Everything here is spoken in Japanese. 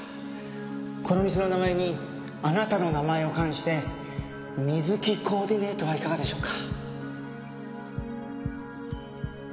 この店の名前にあなたの名前を冠して「ＭＩＺＵＫＩコーディネート」はいかがでしょうか？